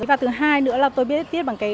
và thứ hai nữa là tôi biết viết bằng